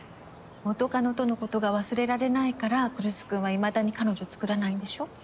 元カノとのことが忘れられないから来栖君はいまだに彼女作らないんでしょ？